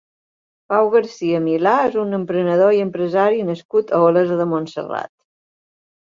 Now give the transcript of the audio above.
Pau Garcia-Milà és un emprenedor i empresari nascut a Olesa de Montserrat.